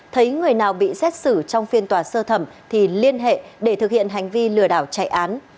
thấy người nào bị xét xử trong phiên tòa sơ thẩm thì liên hệ để thực hiện hành vi lừa đảo chạy án